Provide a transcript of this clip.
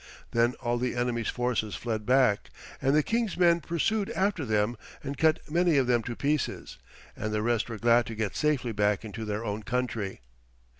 Then all the enemy's forces fled back, and the King's men pursued after them and cut many of them to pieces, and the rest were glad to get safely back into their own country.